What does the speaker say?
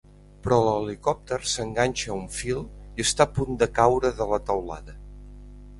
Però l'helicòpter s'enganxa a un fil i està a punt de caure de la teulada.